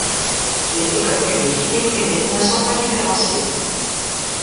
Les écoles publiques et privées ne sont pas différenciées.